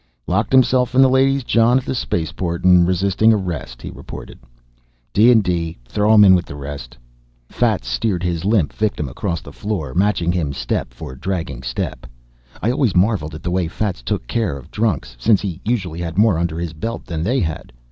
"Locked himself in the ladies' john at the spaceport and resisting arrest," he reported. "D and D. Throw him in with the rest." Fats steered his limp victim across the floor, matching him step for dragging step. I always marveled at the way Fats took care of drunks, since he usually had more under his belt than they had.